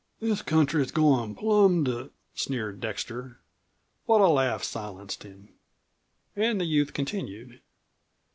"This country's goin' plum to " sneered Dexter. But a laugh silenced him. And the youth continued.